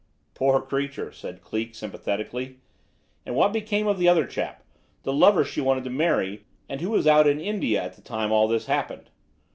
"Poor creature!" said Cleek sympathetically. "And what became of the other chap, the lover she wanted to marry and who was out in India at the time all this happened?"